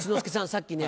さっきね